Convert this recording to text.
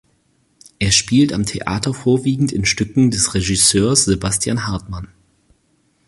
Er spielt am Theater vorwiegend in Stücken des Regisseurs Sebastian Hartmann.